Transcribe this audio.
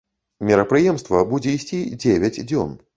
Мерапрыемства будзе ісці дзевяць дзён.